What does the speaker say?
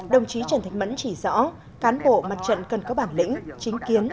đồng chí trần thanh mẫn chỉ rõ cán bộ mặt trận cần có bản lĩnh chính kiến